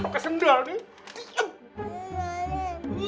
di sini aja diem